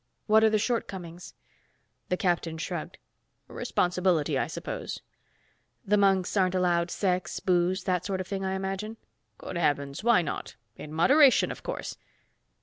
What are the shortcomings?" The captain shrugged. "Responsibility, I suppose." "The monks aren't allowed sex, booze, that sort of thing, I imagine." "Good heavens, why not? In moderation, of course."